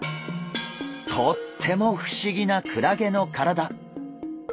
とっても不思議なクラゲの体。